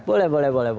boleh boleh boleh